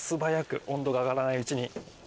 温度が上がらないうちに。